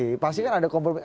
jadi di sisi kan ada kompromisi